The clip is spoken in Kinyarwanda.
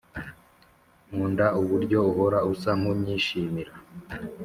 nkunda uburyo uhora usa nkunyishimira